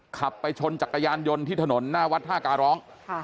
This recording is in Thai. ขับไปชนจักรยานยนต์ที่ถนนหน้าวัดท่าการร้อง